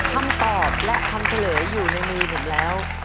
คำตอบและคำเฉลยอยู่ในมือผมแล้ว